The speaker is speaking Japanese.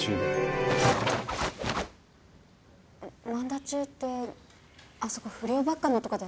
萬田中ってあそこ不良ばっかのとこだよね？